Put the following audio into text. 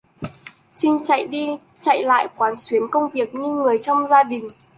Chinh Chạy đi chạy lại quán xuyến công việc như người trong gia đình